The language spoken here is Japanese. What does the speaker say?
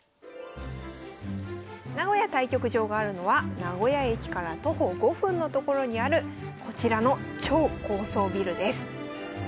名古屋対局場があるのは名古屋駅から徒歩５分の所にあるこちらの超高層ビルです。